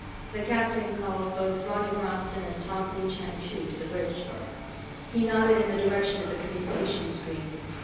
The captain called both Ronny Bronston and Tog Lee Chang Chu to the bridge. He nodded in the direction of the communications screen.